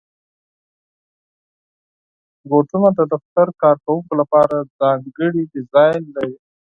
بوټونه د دفتر کارکوونکو لپاره ځانګړي ډیزاین لري.